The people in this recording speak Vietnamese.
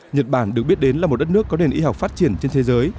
nhật bản được biết đến là một đất nước có nền y học phát triển trên thế giới